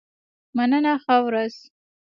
مننه ښه ورځ.